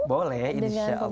boleh insya allah